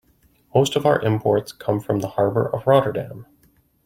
Most of our imports come from the harbor of Rotterdam.